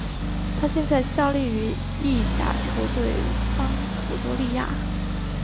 他现在效力于意甲球队桑普多利亚。